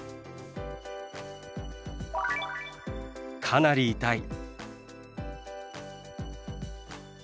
「かなり痛い」。